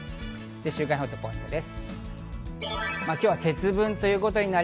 週間予報とポイントです。